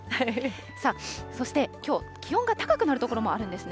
さあ、そしてきょう、気温が高くなる所もあるんですね。